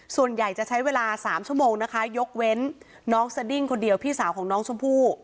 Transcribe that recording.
ส่วนใหญ่จะใช้เวลา๓ชั่วโมงนะคะยกเว้นน้องสดิ้งคนเดียวพี่สาวของน้องชมพู่